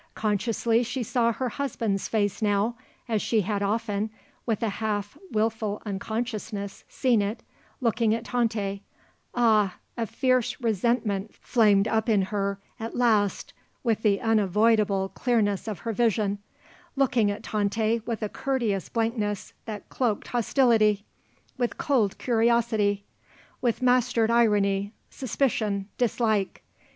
Consciously she saw her husband's face now, as she had often, with a half wilful unconsciousness, seen it, looking at Tante ah, a fierce resentment flamed up in her at last with the unavoidable clearness of her vision looking at Tante with a courteous blankness that cloaked hostility; with cold curiosity; with mastered irony, suspicion, dislike.